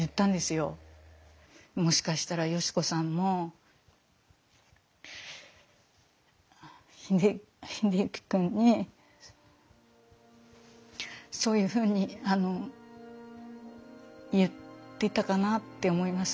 もしかしたら嘉子さんも英之君にそういうふうに言ってたかなって思います。